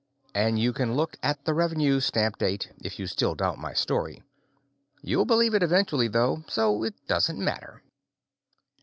And you can look at the revenue stamp date, if you still doubt my story. You'll believe it eventually, though, so it doesn't matter.